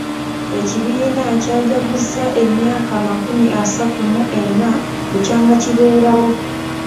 Ekibiina kyajaguzza emyaka amakumi asatu mu ena bukya nga kibeerawo.